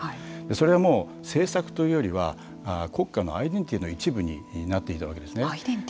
それはもう政策というよりは国家のアイデンティティーの一部になっていたわけですね。